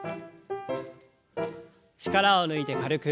力を抜いて軽く。